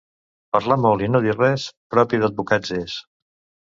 Parlar molt i no dir res, propi d'advocats és.